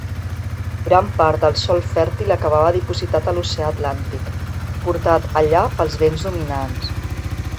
Gran part del sòl fèrtil acabava dipositat a l'oceà Atlàntic, portat allà pels vents dominants.